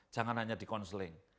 jangan hanya di counseling